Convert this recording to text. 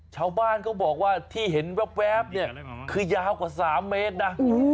ชาวบ้านก็บอกว่าที่เห็นแวบคือยาวกว่า๓เมตรนะ